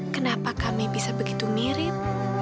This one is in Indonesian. kenapa kami bisa begitu mirip